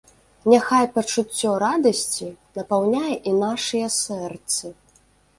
Няхай пачуццё радасці напаўняе і нашыя сэрцы.